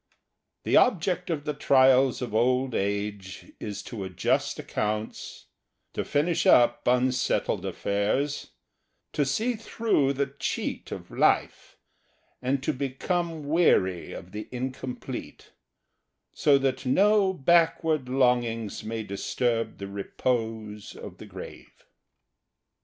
The object of the trials of old age is to adjust accounts, to finish up unsettled affairs, to see through the cheat of life, and to become weary of the incomplete, so that no backward longings may disturb the repose of the grave.